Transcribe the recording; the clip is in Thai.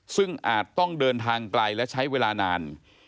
ซึ่งอาจต้องเดินทางไกลและใช้เวลานาน